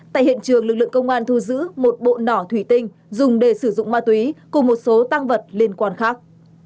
tại hiện trường lực lượng công an thu giữ một bộ nỏ thủy tinh dùng để sử dụng ma túy cùng một số tăng vật liên quan khác